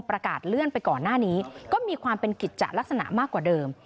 ประกาศเลื่อนไปก่อนหน้านี้ก็มีความเป็นกิจจะลักษณะมากกว่าเดิม